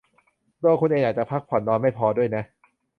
ตัวคุณเองอาจจะพักผ่อนนอนไม่พอด้วยนะ